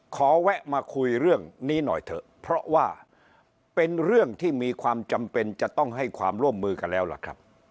แวะมาคุยเรื่องนี้หน่อยเถอะเพราะว่าเป็นเรื่องที่มีความจำเป็นจะต้องให้ความร่วมมือกันแล้วล่ะครับ